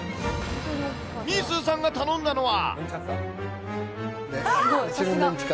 みーすーさんが頼んだのは。